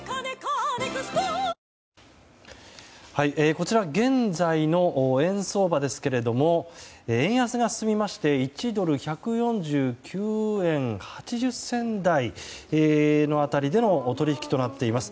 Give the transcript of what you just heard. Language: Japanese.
こちら、現在の円相場ですけども円安が進みまして、１ドル＝１４９円８０銭台辺りでの取引となっています。